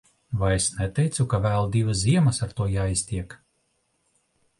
Vai es neteicu, ka vēl divas ziemas ar to jāiztiek.